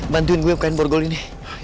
bantuin gue pakaiin borgol ini